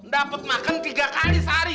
dapat makan tiga kali sehari